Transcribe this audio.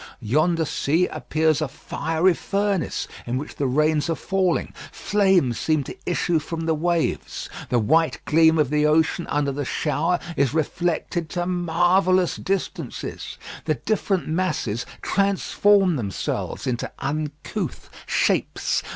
Yonder sea appears a fiery furnace in which the rains are falling: flames seem to issue from the waves. The white gleam of the ocean under the shower is reflected to marvellous distances. The different masses transform themselves into uncouth shapes.